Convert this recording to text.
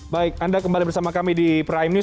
baik anda kembali bersama kami di prime news